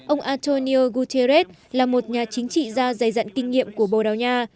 ông antonio guterres là một nhà chính trị gia dày dặn kinh nghiệm của bồ đào nha